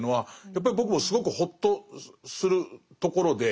やっぱり僕もすごくほっとするところで。